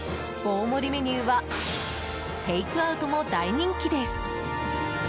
大盛りメニューはテイクアウトも大人気です。